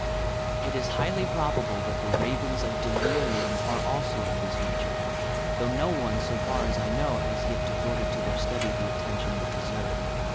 It is highly probable that the rav ings of delirium are also of this nature, though no one, so far as I know, has yet devoted to their study the at tention they deservp.